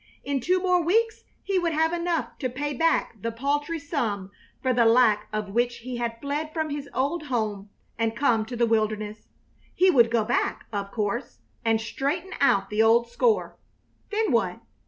In two more weeks he would have enough to pay back the paltry sum for the lack of which he had fled from his old home and come to the wilderness. He would go back, of course, and straighten out the old score. Then what?